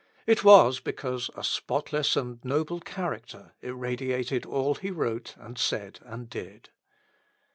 It was because a spotless and noble character irradiated all he wrote and said and did.